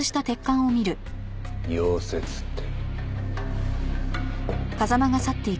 溶接って。